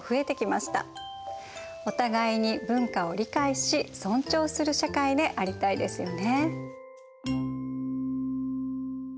お互いに文化を理解し尊重する社会でありたいですよね。